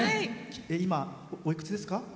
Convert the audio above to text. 今、おいくつですか？